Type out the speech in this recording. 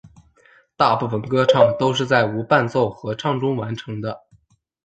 大部分歌唱都是在无伴奏合唱中完成的。